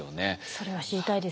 それは知りたいですね。